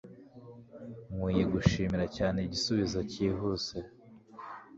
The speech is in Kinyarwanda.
Nkwiye gushimira cyane igisubizo cyihuse.